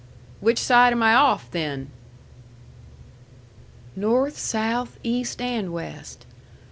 "Which side am I off, then?" "North, south, east, and west.